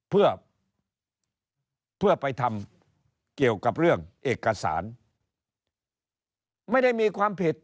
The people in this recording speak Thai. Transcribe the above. เพื่อเพื่อไปทำเกี่ยวกับเรื่องเอกสารไม่ได้มีความผิด